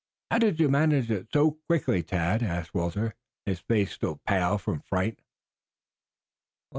"How did you manage it so quickly, Tad?" asked Walter, his face still pale from fright.